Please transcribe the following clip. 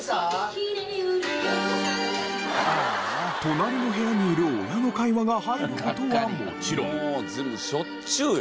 隣の部屋にいる親の会話が入る事はもちろん。